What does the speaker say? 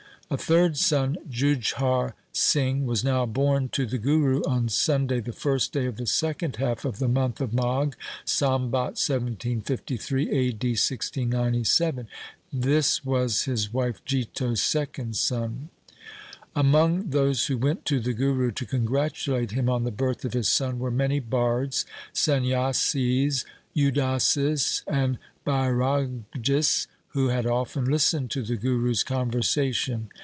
A third son, Jujhar Singh, was now born to the Guru on Sunday, the first day of the second half of the month of Magh, Sambat 1753, A. D. 1697. This was his wife Jito's second son. Among those who went to the Guru to congratu late him on the birth of his son were many bards, Sanyasis, Udasis, and Bairagis, who had often lis tened to the Guru's conversation.